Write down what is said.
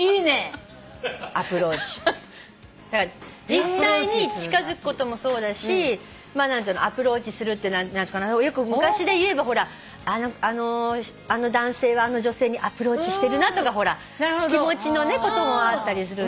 実際に近づくこともそうだしアプローチするってよく昔で言えばほらあの男性はあの女性にアプローチしてるなとか気持ちのこともあったりするんですけど。